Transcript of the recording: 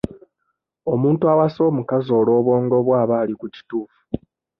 Omuntu awasa omukazi olw'obwongo bwe aba ali ku kituufu.